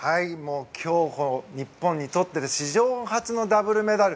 競歩、日本にとって史上初のダブルメダル。